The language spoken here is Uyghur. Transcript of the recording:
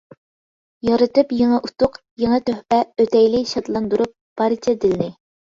يارىتىپ يېڭى ئۇتۇق، يېڭى تۆھپە، ئۆتەيلى شادلاندۇرۇپ بارچە دىلنى.